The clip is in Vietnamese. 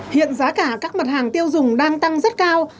hiện giá cả các mặt hàng tiêu dùng đang tăng rất cao